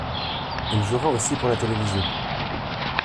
Il jouera aussi pour la télévision.